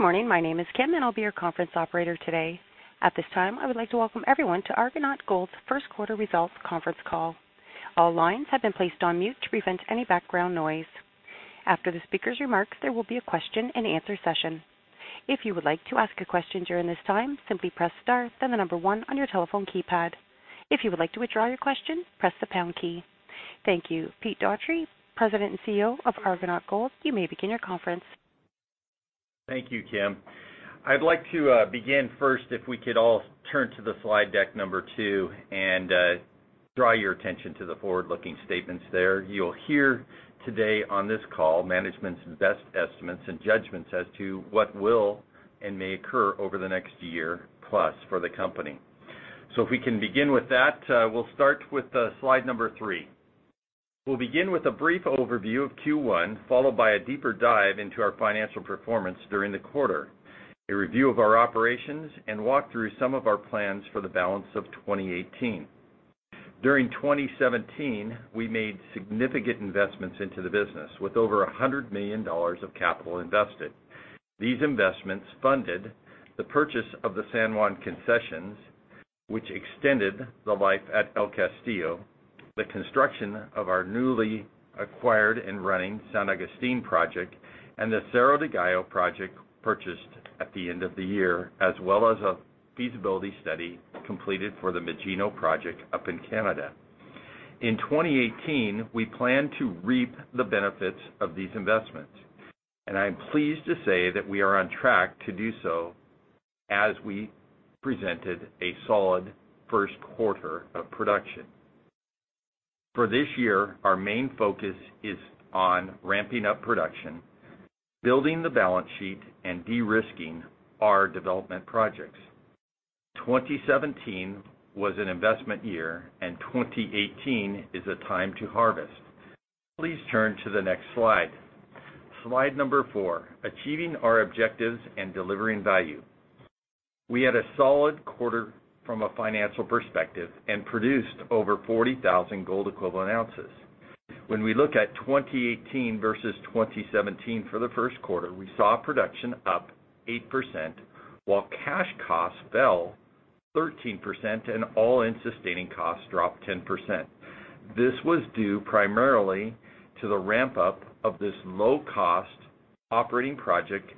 Good morning. My name is Kim, and I'll be your conference operator today. At this time, I would like to welcome everyone to Argonaut Gold's first quarter results conference call. All lines have been placed on mute to prevent any background noise. After the speaker's remarks, there will be a question and answer session. If you would like to ask a question during this time, simply press star, then the number 1 on your telephone keypad. If you would like to withdraw your question, press the pound key. Thank you. Peter Dougherty, President and CEO of Argonaut Gold, you may begin your conference. Thank you, Kim. I'd like to begin first, if we could all turn to the slide deck number 2 and draw your attention to the forward-looking statements there. You'll hear today on this call management's best estimates and judgments as to what will and may occur over the next year plus for the company. If we can begin with that, we'll start with slide number 3. We'll begin with a brief overview of Q1, followed by a deeper dive into our financial performance during the quarter, a review of our operations, and walk through some of our plans for the balance of 2018. During 2017, we made significant investments into the business, with over $100 million of capital invested. These investments funded the purchase of the San Juan concessions, which extended the life at El Castillo, the construction of our newly acquired and running San Agustín project, and the Cerro del Gallo project purchased at the end of the year, as well as a feasibility study completed for the Magino project up in Canada. In 2018, we plan to reap the benefits of these investments, and I'm pleased to say that we are on track to do so as we presented a solid first quarter of production. For this year, our main focus is on ramping up production, building the balance sheet, and de-risking our development projects. 2017 was an investment year and 2018 is a time to harvest. Please turn to the next slide. Slide number 4, achieving our objectives and delivering value. We had a solid quarter from a financial perspective and produced over 40,000 gold equivalent ounces. When we look at 2018 versus 2017 for the first quarter, we saw production up 8%, while cash costs fell 13% and all-in sustaining costs dropped 10%. This was due primarily to the ramp-up of this low-cost operating project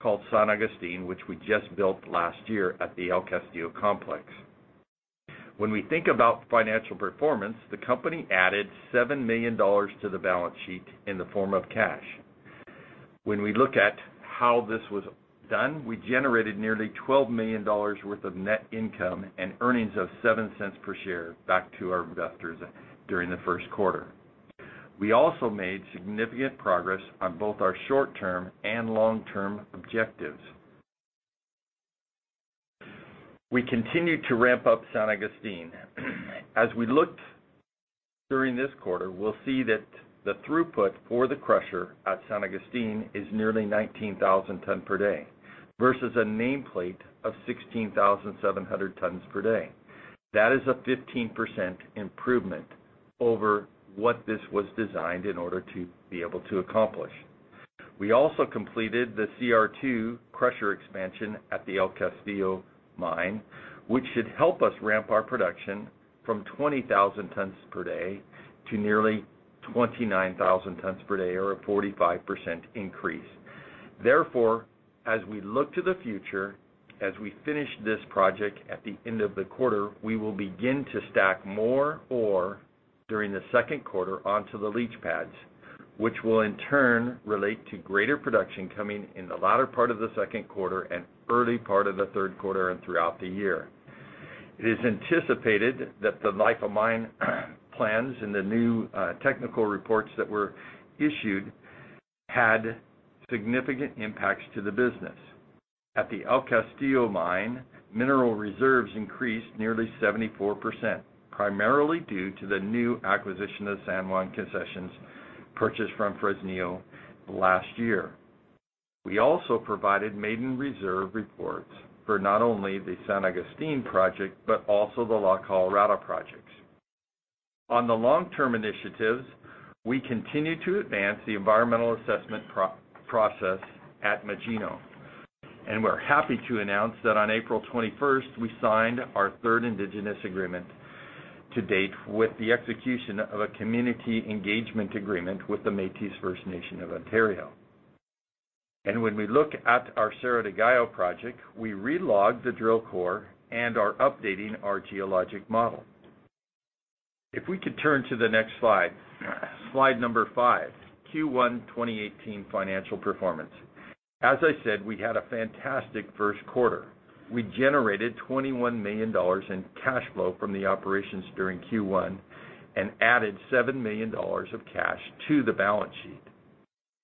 called San Agustín, which we just built last year at the El Castillo complex. When we think about financial performance, the company added $7 million to the balance sheet in the form of cash. When we look at how this was done, we generated nearly $12 million worth of net income and earnings of $0.07 per share back to our investors during the first quarter. We also made significant progress on both our short-term and long-term objectives. We continued to ramp up San Agustín. As we looked during this quarter, we will see that the throughput for the crusher at San Agustín is nearly 19,000 tons per day versus a nameplate of 16,700 tons per day. That is a 15% improvement over what this was designed in order to be able to accomplish. We also completed the CR2 crusher expansion at the El Castillo mine, which should help us ramp our production from 20,000 tons per day to nearly 29,000 tons per day, or a 45% increase. Therefore, as we look to the future, as we finish this project at the end of the quarter, we will begin to stack more ore during the second quarter onto the leach pads, which will in turn relate to greater production coming in the latter part of the second quarter and early part of the third quarter and throughout the year. It is anticipated that the life of mine plans in the new technical reports that were issued had significant impacts to the business. At the El Castillo mine, mineral reserves increased nearly 74%, primarily due to the new acquisition of San Juan concessions purchased from Fresnillo last year. We also provided maiden reserve reports for not only the San Agustín project, but also the La Colorada projects. On the long-term initiatives, we continue to advance the environmental assessment process at Magino, and we are happy to announce that on April 21st, we signed our third Indigenous agreement to date with the execution of a community engagement agreement with the Métis Nation of Ontario. When we look at our Cerro del Gallo project, we re-logged the drill core and are updating our geologic model. If we could turn to the next slide. Slide number five, Q1 2018 financial performance. As I said, we had a fantastic first quarter. We generated $21 million in cash flow from the operations during Q1 and added $7 million of cash to the balance sheet.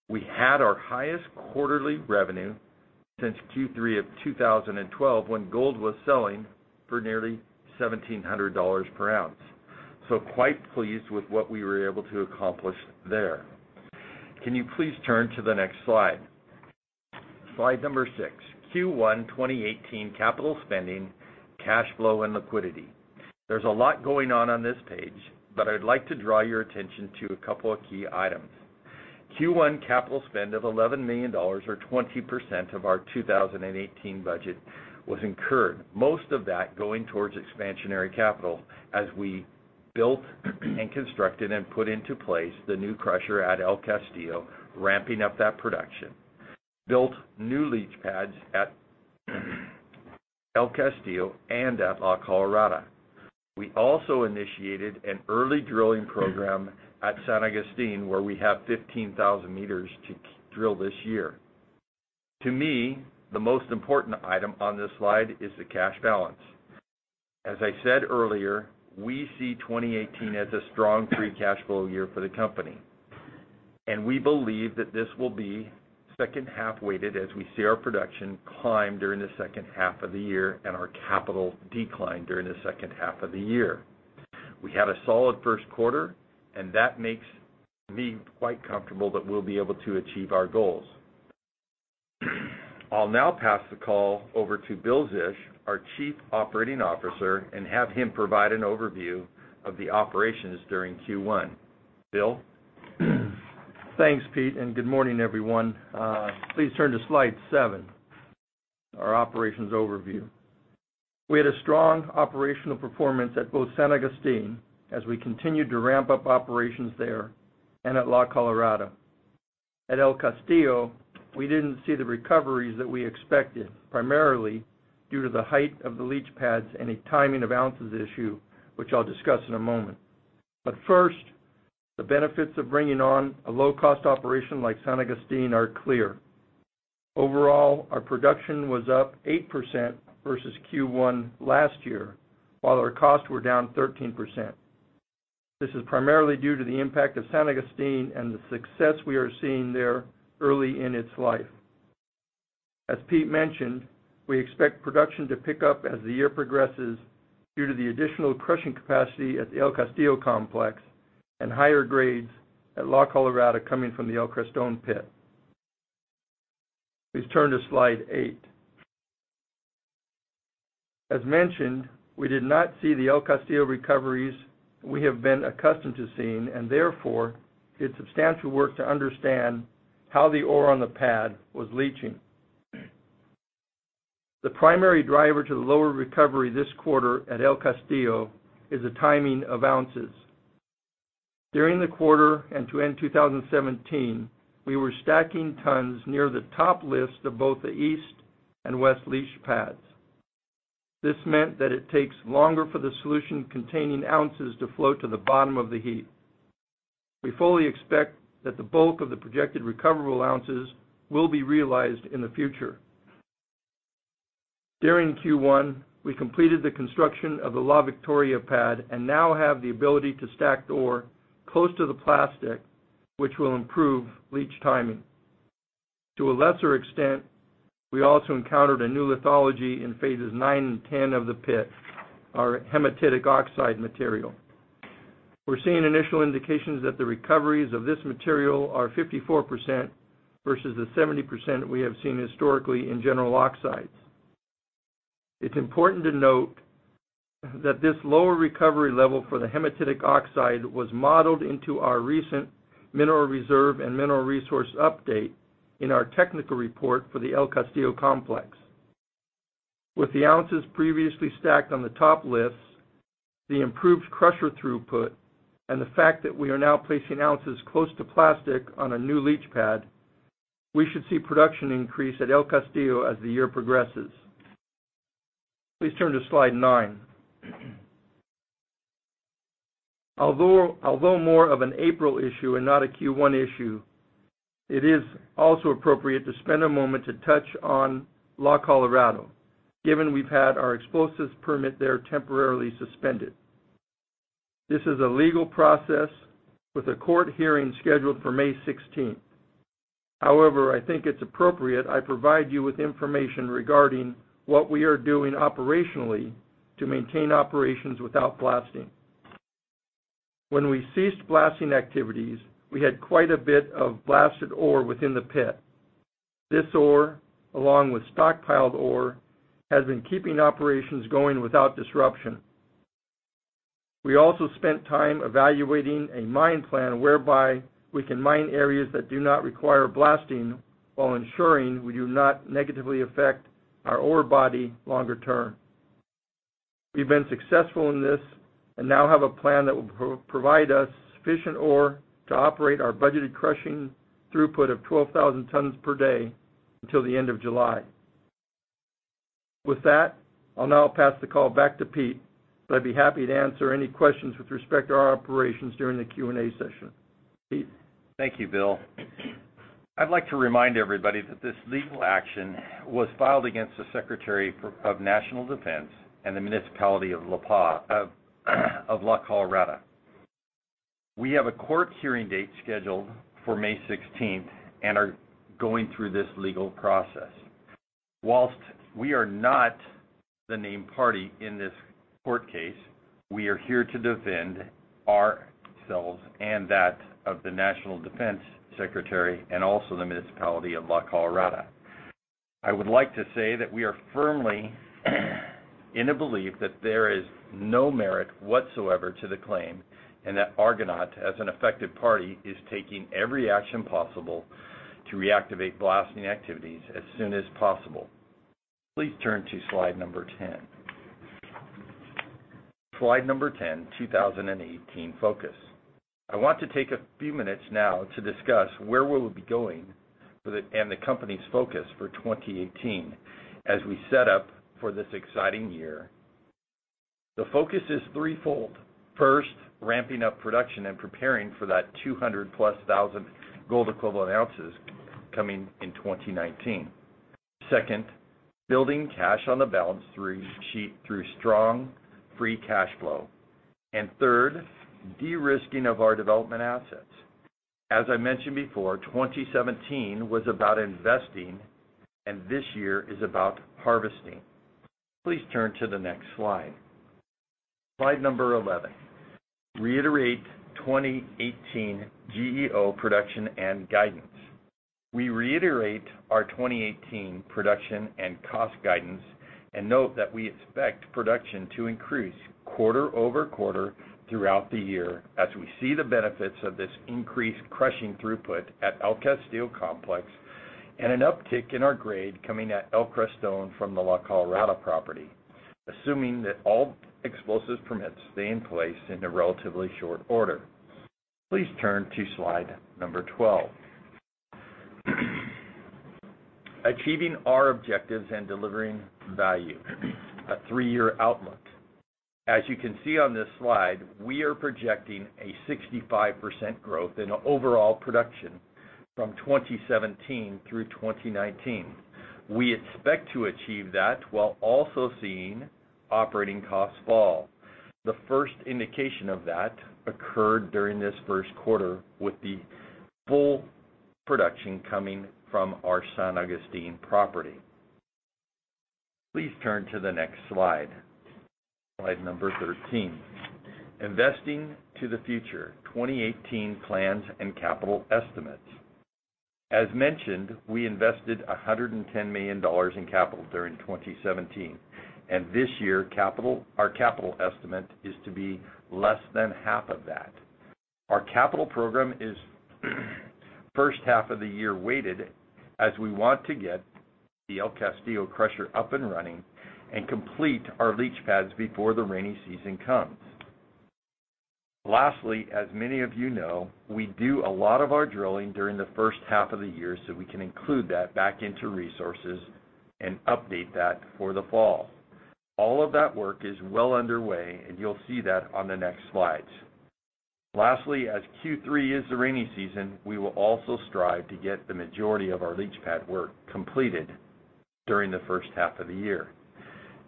We had our highest quarterly revenue since Q3 of 2012, when gold was selling for nearly $1,700 per ounce. We were quite pleased with what we were able to accomplish there. Can you please turn to the next slide? Slide number six, Q1 2018 capital spending, cash flow, and liquidity. There is a lot going on on this page, but I would like to draw your attention to a couple of key items. Q1 capital spend of $11 million, or 20% of our 2018 budget, was incurred, most of that going towards expansionary capital as we built and constructed and put into place the new crusher at El Castillo, ramping up that production. We built new leach pads at El Castillo and at La Colorada. We also initiated an early drilling program at San Agustín, where we have 15,000 meters to drill this year. To me, the most important item on this slide is the cash balance. As I said earlier, we see 2018 as a strong free cash flow year for the company, and we believe that this will be second-half weighted as we see our production climb during the second half of the year and our capital decline during the second half of the year. We had a solid first quarter, and that makes me quite comfortable that we will be able to achieve our goals. I will now pass the call over to Bill Zisch, our Chief Operating Officer, and have him provide an overview of the operations during Q1. Bill? Thanks, Pete, and good morning, everyone. Please turn to slide seven, our operations overview. We had a strong operational performance at both San Agustin, as we continued to ramp up operations there, and at La Colorada. At El Castillo, we didn't see the recoveries that we expected, primarily due to the height of the leach pads and a timing of ounces issue, which I will discuss in a moment. First, the benefits of bringing on a low-cost operation like San Agustin are clear. Overall, our production was up 8% versus Q1 last year, while our costs were down 13%. This is primarily due to the impact of San Agustin and the success we are seeing there early in its life. As Pete mentioned, we expect production to pick up as the year progresses due to the additional crushing capacity at the El Castillo complex and higher grades at La Colorada coming from the El Creston pit. Please turn to slide eight. As mentioned, we did not see the El Castillo recoveries we have been accustomed to seeing, and therefore did substantial work to understand how the ore on the pad was leaching. The primary driver to the lower recovery this quarter at El Castillo is the timing of ounces. During the quarter and to end 2017, we were stacking tons near the top lifts of both the east and west leach pads. This meant that it takes longer for the solution containing ounces to flow to the bottom of the heap. We fully expect that the bulk of the projected recoverable ounces will be realized in the future. During Q1, we completed the construction of the La Victoria pad and now have the ability to stack the ore close to the plastic, which will improve leach timing. To a lesser extent, we also encountered a new lithology in phases 9 and 10 of the pit, our hematitic oxide material. We are seeing initial indications that the recoveries of this material are 54% versus the 70% we have seen historically in general oxides. It is important to note that this lower recovery level for the hematitic oxide was modeled into our recent mineral reserve and mineral resource update in our technical report for the El Castillo complex. With the ounces previously stacked on the top lifts, the improved crusher throughput, and the fact that we are now placing ounces close to plastic on a new leach pad, we should see production increase at El Castillo as the year progresses. Please turn to slide nine. Although more of an April issue and not a Q1 issue, it is also appropriate to spend a moment to touch on La Colorada, given we have had our explosives permit there temporarily suspended. This is a legal process with a court hearing scheduled for May 16th. However, I think it is appropriate I provide you with information regarding what we are doing operationally to maintain operations without blasting. When we ceased blasting activities, we had quite a bit of blasted ore within the pit. This ore, along with stockpiled ore, has been keeping operations going without disruption. We also spent time evaluating a mine plan whereby we can mine areas that do not require blasting while ensuring we do not negatively affect our ore body longer term. We've been successful in this and now have a plan that will provide us sufficient ore to operate our budgeted crushing throughput of 12,000 tons per day until the end of July. With that, I'll now pass the call back to Pete. I'd be happy to answer any questions with respect to our operations during the Q&A session. Pete? Thank you, Bill. I'd like to remind everybody that this legal action was filed against the Secretariat of National Defense and the Municipality of La Paz, of La Colorada. We have a court hearing date scheduled for May 16th and are going through this legal process. Whilst we are not the named party in this court case, we are here to defend ourselves and that of the Secretariat of National Defense and also the Municipality of La Colorada. I would like to say that we are firmly in a belief that there is no merit whatsoever to the claim. Argonaut, as an affected party, is taking every action possible to reactivate blasting activities as soon as possible. Please turn to slide number 10. Slide number 10, 2018 focus. I want to take a few minutes now to discuss where we will be going and the company's focus for 2018, as we set up for this exciting year. The focus is threefold. First, ramping up production and preparing for that 200,000-plus gold equivalent ounces coming in 2019. Second, building cash on the balance sheet through strong free cash flow. Third, de-risking of our development assets. As I mentioned before, 2017 was about investing and this year is about harvesting. Please turn to the next slide. Slide number 11. Reiterate 2018 GEO production and guidance. We reiterate our 2018 production and cost guidance and note that we expect production to increase quarter-over-quarter throughout the year as we see the benefits of this increased crushing throughput at El Castillo Complex and an uptick in our grade coming at El Creston from the La Colorada property, assuming that all explosives permits stay in place in a relatively short order. Please turn to slide number 12. Achieving our objectives and delivering value, a three-year outlook. As you can see on this slide, we are projecting a 65% growth in overall production from 2017 through 2019. We expect to achieve that while also seeing operating costs fall. The first indication of that occurred during this first quarter with the full production coming from our San Agustin property. Please turn to the next slide number 13. Investing to the future, 2018 plans and capital estimates. As mentioned, we invested $110 million in capital during 2017, this year our capital estimate is to be less than half of that. Our capital program is first half of the year weighted as we want to get the El Castillo crusher up and running and complete our leach pads before the rainy season comes. Lastly, as many of you know, we do a lot of our drilling during the first half of the year so we can include that back into resources and update that for the fall. All of that work is well underway, you'll see that on the next slides. Lastly, as Q3 is the rainy season, we will also strive to get the majority of our leach pad work completed during the first half of the year.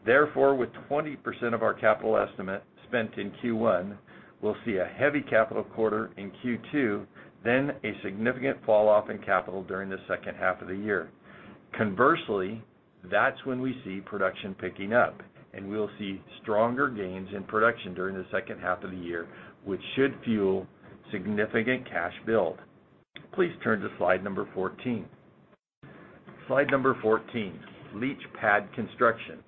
Therefore, with 20% of our capital estimate spent in Q1, we'll see a heavy capital quarter in Q2, a significant falloff in capital during the second half of the year. Conversely, that's when we see production picking up, we'll see stronger gains in production during the second half of the year, which should fuel significant cash build. Please turn to slide number 14. Slide number 14, leach pad construction.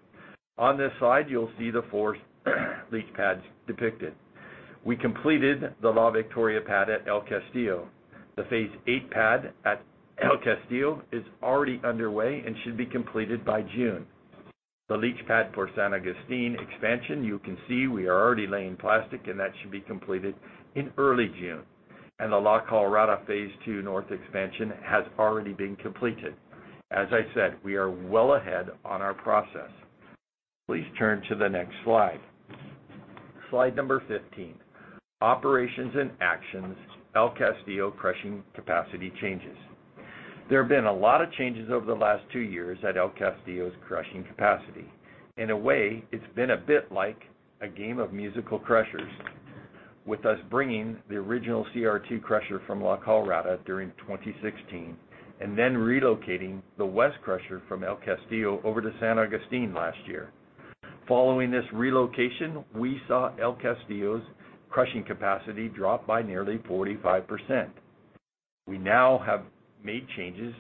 On this slide, you'll see the four leach pads depicted. We completed the La Victoria pad at El Castillo. The phase eight pad at El Castillo is already underway and should be completed by June. The leach pad for San Agustin expansion, you can see we are already laying plastic, that should be completed in early June. The La Colorada phase two north expansion has already been completed. As I said, we are well ahead on our process. Please turn to the next slide. Slide number 15, operations and actions, El Castillo crushing capacity changes. There have been a lot of changes over the last two years at El Castillo's crushing capacity. In a way, it's been a bit like a game of musical crushers, with us bringing the original CR2 crusher from La Colorada during 2016 then relocating the west crusher from El Castillo over to San Agustin last year. Following this relocation, we saw El Castillo's crushing capacity drop by nearly 45%. We now have made changes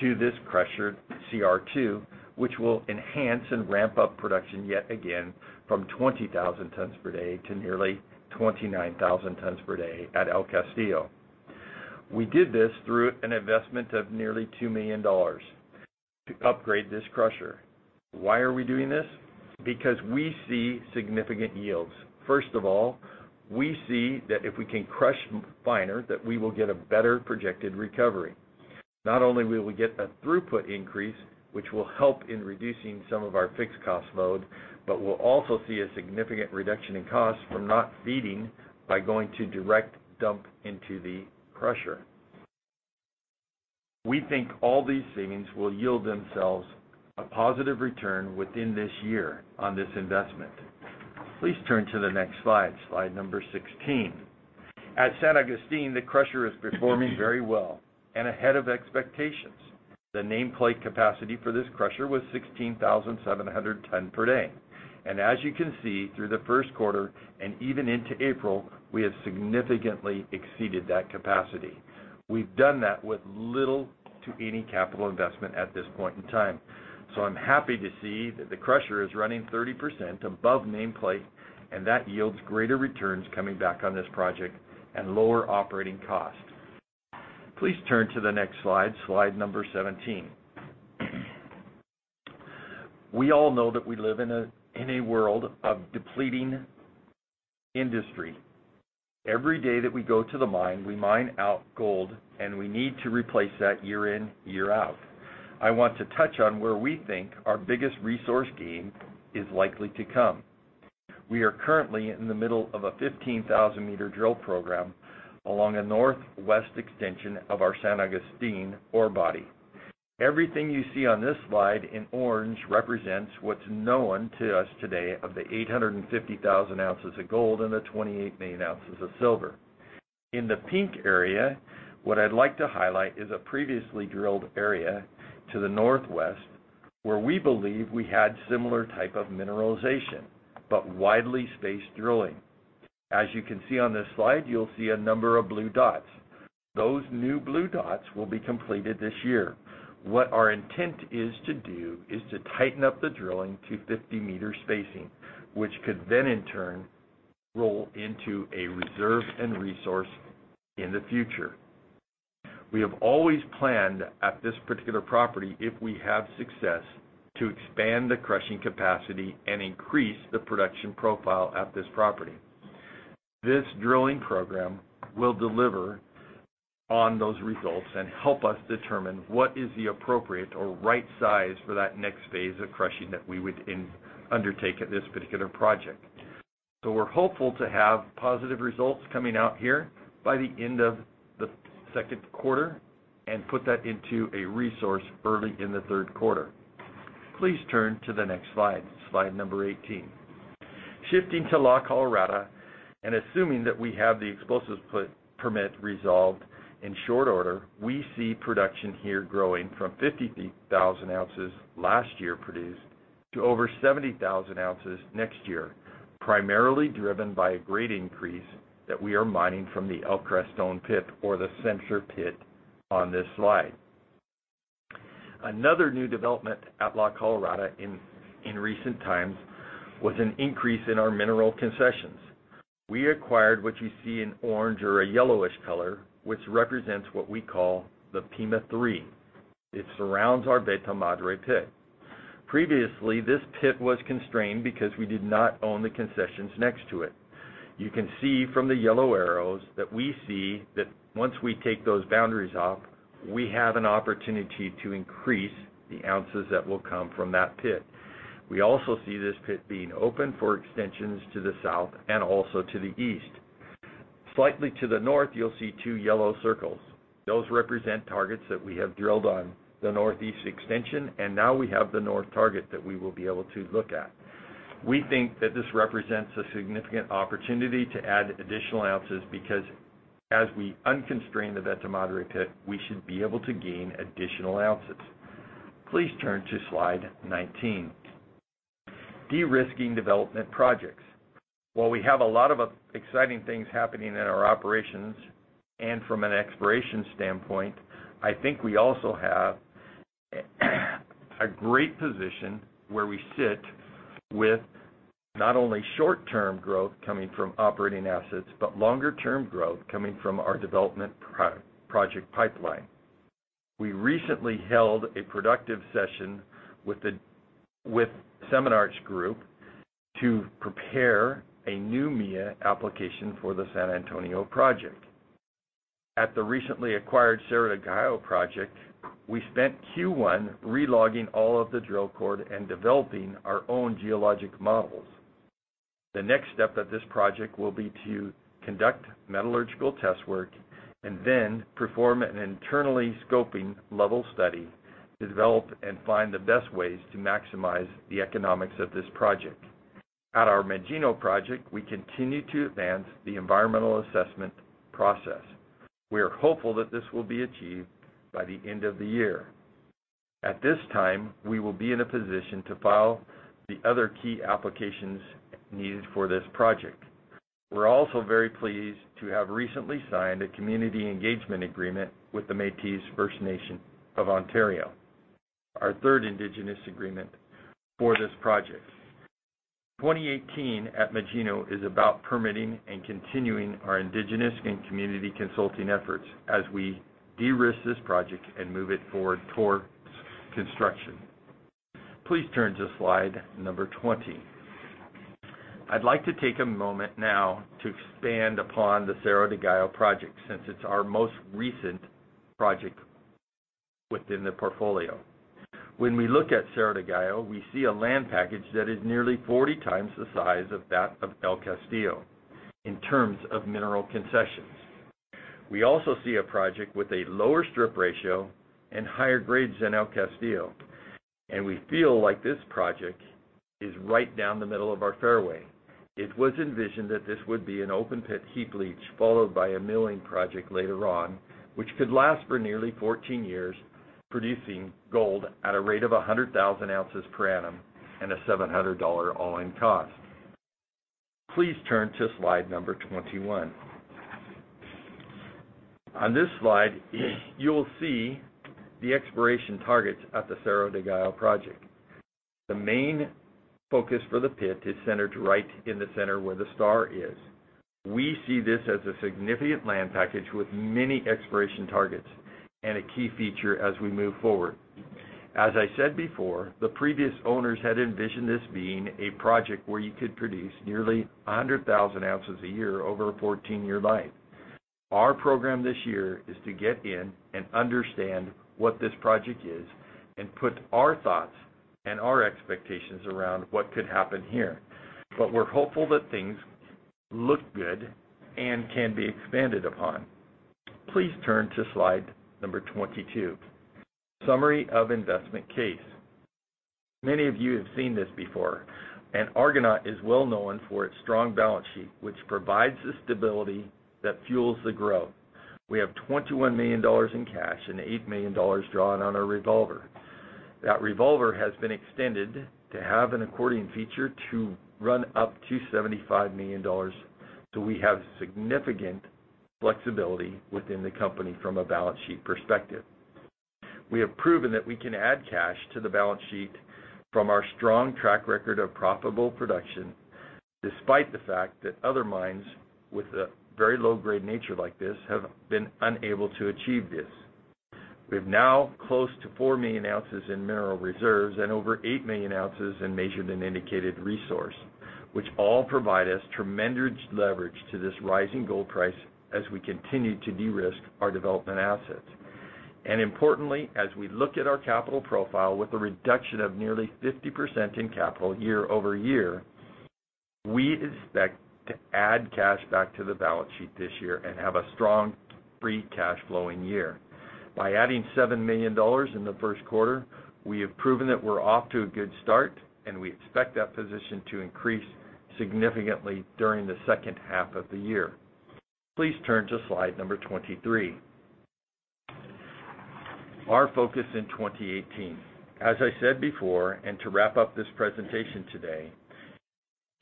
to this crusher CR2, which will enhance and ramp up production yet again from 20,000 tons per day to nearly 29,000 tons per day at El Castillo. We did this through an investment of nearly $2 million to upgrade this crusher. Why are we doing this? Because we see significant yields. First of all, we see that if we can crush finer, that we will get a better projected recovery. Not only will we get a throughput increase, which will help in reducing some of our fixed cost load, but we'll also see a significant reduction in cost from not feeding by going to direct dump into the crusher. We think all these savings will yield themselves a positive return within this year on this investment. Please turn to the next slide number 16. At San Agustin, the crusher is performing very well and ahead of expectations. The nameplate capacity for this crusher was 16,700 ton per day. As you can see through the first quarter and even into April, we have significantly exceeded that capacity. We've done that with little to any capital investment at this point in time. I'm happy to see that the crusher is running 30% above nameplate, and that yields greater returns coming back on this project and lower operating cost. Please turn to the next slide 17. We all know that we live in a world of depleting industry. Every day that we go to the mine, we mine out gold, and we need to replace that year in, year out. I want to touch on where we think our biggest resource gain is likely to come. We are currently in the middle of a 15,000-meter drill program along a northwest extension of our San Agustin ore body. Everything you see on this slide in orange represents what's known to us today of the 850,000 ounces of gold and the 28 million ounces of silver. In the pink area, what I'd like to highlight is a previously drilled area to the northwest where we believe we had similar type of mineralization, but widely spaced drilling. You can see on this slide, you'll see a number of blue dots. Those new blue dots will be completed this year. What our intent is to do is to tighten up the drilling to 50-meter spacing, which could then in turn roll into a reserve and resource in the future. We have always planned at this particular property, if we have success, to expand the crushing capacity and increase the production profile at this property. This drilling program will deliver on those results and help us determine what is the appropriate or right size for that next phase of crushing that we would undertake at this particular project. We're hopeful to have positive results coming out here by the end of the second quarter and put that into a resource early in the third quarter. Please turn to the next slide 18. Shifting to La Colorada, assuming that we have the explosives permit resolved in short order, we see production here growing from 50,000 ounces last year produced to over 70,000 ounces next year, primarily driven by a grade increase that we are mining from the El Creston pit or the center pit on this slide. Another new development at La Colorada in recent times was an increase in our mineral concessions. We acquired what you see in orange or a yellowish color, which represents what we call the Pima Three. It surrounds our Veta Madre pit. Previously, this pit was constrained because we did not own the concessions next to it. You can see from the yellow arrows that we see that once we take those boundaries off, we have an opportunity to increase the ounces that will come from that pit. We also see this pit being open for extensions to the south and also to the east. Slightly to the north, you'll see two yellow circles. Those represent targets that we have drilled on the northeast extension. Now we have the north target that we will be able to look at. We think that this represents a significant opportunity to add additional ounces because as we unconstrain the Veta Madre pit, we should be able to gain additional ounces. Please turn to slide 19. De-risking development projects. While we have a lot of exciting things happening in our operations and from an exploration standpoint, I think we also have a great position where we sit with not only short-term growth coming from operating assets but longer-term growth coming from our development project pipeline. We recently held a productive session with SEMARNAT Group to prepare a new MIA application for the San Antonio project. At the recently acquired Cerro del Gallo project, we spent Q1 re-logging all of the drill core and developing our own geologic models. The next step of this project will be to conduct metallurgical test work and then perform an internally scoping level study to develop and find the best ways to maximize the economics of this project. At our Magino project, we continue to advance the environmental assessment process. We are hopeful that this will be achieved by the end of the year. At this time, we will be in a position to file the other key applications needed for this project. We're also very pleased to have recently signed a community engagement agreement with the Métis Nation of Ontario, our third indigenous agreement for this project. 2018 at Magino is about permitting and continuing our indigenous and community consulting efforts as we de-risk this project and move it forward towards construction. Please turn to slide number 20. I'd like to take a moment now to expand upon the Cerro del Gallo project since it's our most recent project within the portfolio. When we look at Cerro del Gallo, we see a land package that is nearly 40 times the size of that of El Castillo in terms of mineral concessions. We also see a project with a lower strip ratio and higher grades than El Castillo, and we feel like this project is right down the middle of our fairway. It was envisioned that this would be an open pit heap leach followed by a milling project later on, which could last for nearly 14 years Producing gold at a rate of 100,000 ounces per annum and a $700 all-in cost. Please turn to slide number 21. On this slide, you will see the exploration targets at the Cerro del Gallo project. The main focus for the pit is centered right in the center where the star is. We see this as a significant land package with many exploration targets and a key feature as we move forward. As I said before, the previous owners had envisioned this being a project where you could produce nearly 100,000 ounces a year over a 14-year life. We're hopeful that things look good and can be expanded upon. Please turn to slide number 22. Summary of investment case. Many of you have seen this before, and Argonaut is well known for its strong balance sheet, which provides the stability that fuels the growth. We have $21 million in cash and $8 million drawn on our revolver. That revolver has been extended to have an accordion feature to run up to $75 million, so we have significant flexibility within the company from a balance sheet perspective. We have proven that we can add cash to the balance sheet from our strong track record of profitable production, despite the fact that other mines with a very low-grade nature like this have been unable to achieve this. We have now close to 4 million ounces in mineral reserves and over 8 million ounces in measured and indicated resource, which all provide us tremendous leverage to this rising gold price as we continue to de-risk our development assets. Importantly, as we look at our capital profile with a reduction of nearly 50% in capital year-over-year, we expect to add cash back to the balance sheet this year and have a strong free cash flowing year. By adding $7 million in the first quarter, we have proven that we're off to a good start, and we expect that position to increase significantly during the second half of the year. Please turn to slide number 23. Our focus in 2018. As I said before, to wrap up this presentation today,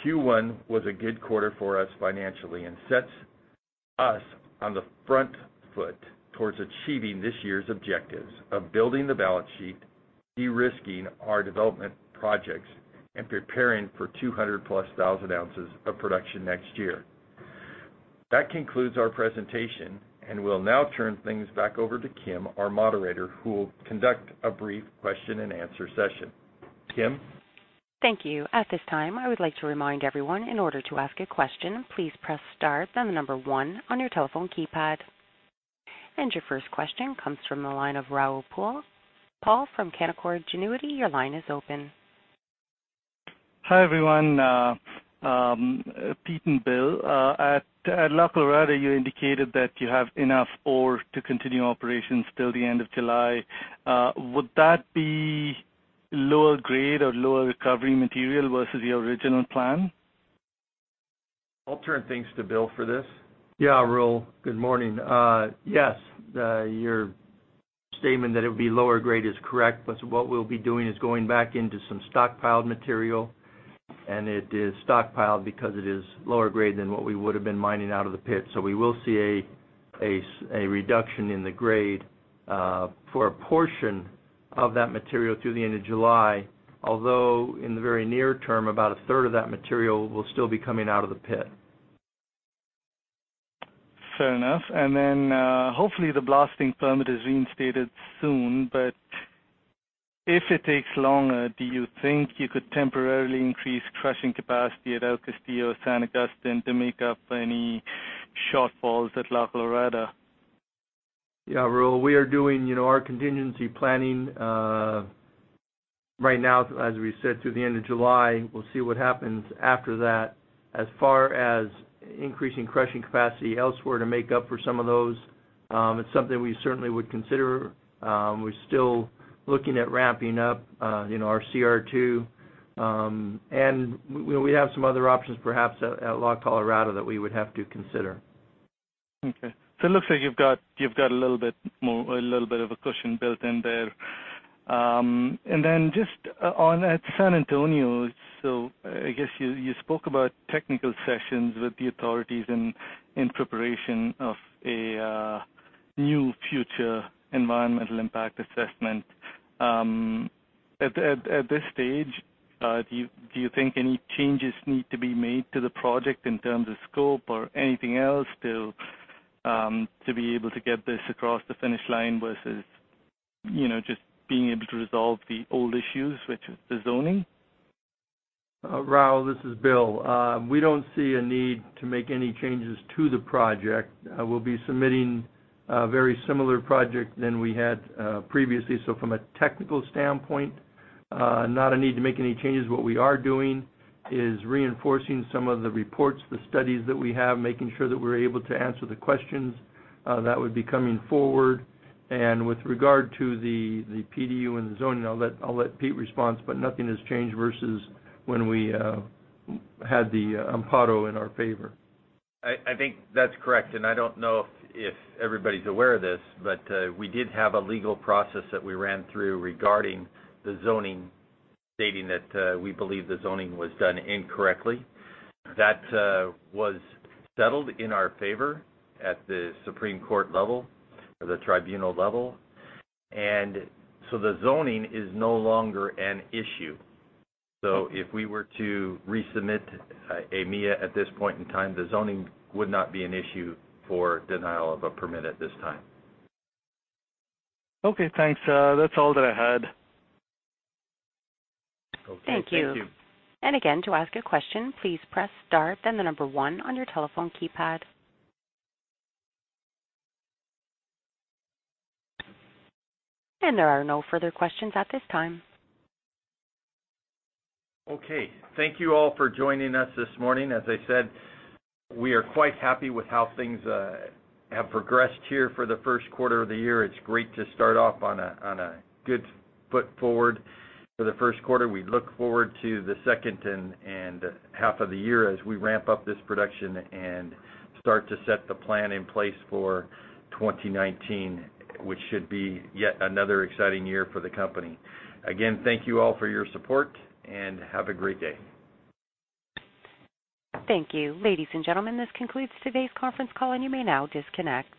Q1 was a good quarter for us financially and sets us on the front foot towards achieving this year's objectives of building the balance sheet, de-risking our development projects, and preparing for 200-plus thousand ounces of production next year. That concludes our presentation, and we'll now turn things back over to Kim, our moderator, who will conduct a brief question and answer session. Kim? Thank you. At this time, I would like to remind everyone, in order to ask a question, please press star then the number one on your telephone keypad. Your first question comes from the line of Rahul Paul. Paul from Canaccord Genuity, your line is open. Hi, everyone. Pete and Bill, at La Colorada, you indicated that you have enough ore to continue operations till the end of July. Would that be lower grade or lower recovery material versus the original plan? I'll turn things to Bill for this. Yeah, Rahul. Good morning. Yes. Your statement that it would be lower grade is correct. What we'll be doing is going back into some stockpiled material, and it is stockpiled because it is lower grade than what we would've been mining out of the pit. We will see a reduction in the grade for a portion of that material through the end of July, although in the very near term, about a third of that material will still be coming out of the pit. Fair enough. Hopefully, the blasting permit is reinstated soon, but if it takes longer, do you think you could temporarily increase crushing capacity at El Castillo, San Agustin to make up any shortfalls at La Colorada? Yeah, Rahul. We are doing our contingency planning right now, as we said, through the end of July. We'll see what happens after that. As far as increasing crushing capacity elsewhere to make up for some of those, it's something we certainly would consider. We're still looking at ramping up our CR2. We have some other options perhaps at La Colorada that we would have to consider. It looks like you've got a little bit of a cushion built in there. Just on at San Antonio, I guess you spoke about technical sessions with the authorities in preparation of a new future environmental impact assessment. At this stage, do you think any changes need to be made to the project in terms of scope or anything else to be able to get this across the finish line versus just being able to resolve the old issues, which is the zoning? Rahul, this is Bill. We don't see a need to make any changes to the project. We'll be submitting a very similar project than we had previously. From a technical standpoint, not a need to make any changes. What we are doing is reinforcing some of the reports, the studies that we have, making sure that we're able to answer the questions that would be coming forward. With regard to the PDU and the zoning, I'll let Pete respond, but nothing has changed versus when we had the amparo in our favor. I think that's correct, and I don't know if everybody's aware of this, but we did have a legal process that we ran through regarding the zoning, stating that we believe the zoning was done incorrectly. That was settled in our favor at the Supreme Court level or the tribunal level. The zoning is no longer an issue. If we were to resubmit a MIA at this point in time, the zoning would not be an issue for denial of a permit at this time. Okay, thanks. That's all that I had. Okay. Thank you. Thank you. Again, to ask a question, please press star then number 1 on your telephone keypad. There are no further questions at this time. Okay. Thank you all for joining us this morning. As I said, we are quite happy with how things have progressed here for the first quarter of the year. It's great to start off on a good foot forward for the first quarter. We look forward to the second and half of the year as we ramp up this production and start to set the plan in place for 2019, which should be yet another exciting year for the company. Again, thank you all for your support, and have a great day. Thank you. Ladies and gentlemen, this concludes today's conference call. You may now disconnect.